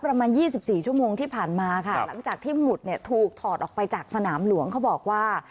ประมาณ๒๔ชั่วโมงที่ผ่านมาค่ะหลังจากที่หมุดเนี่ยถูกถอดออกไปจากสนามหลวงเขาบอกว่า